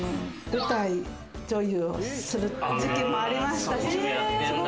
舞台女優をする時期もありましたし。